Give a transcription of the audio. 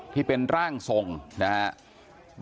ที่เป็นร่างทรงนะครับ